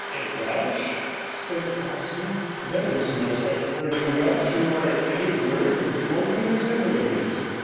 'In Welsh?' said the parson. 'There is no such word in Welsh, nor any word remotely resembling it.